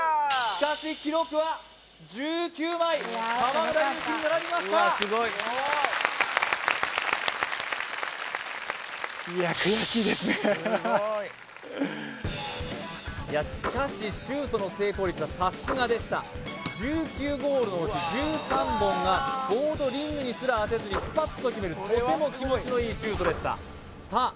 しかし記録は１９枚河村勇輝に並びましたいやしかしシュートの成功率はさすがでした１９ゴールのうち１３本がボードリングにすら当てずにスパッと決めるとても気持ちのいいシュートでしたさあ